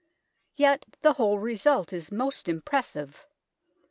Yet the whole result is most impressive.